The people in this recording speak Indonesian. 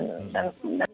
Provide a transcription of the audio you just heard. dan memang dalam khususnya